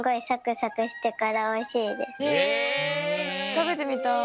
たべてみたい。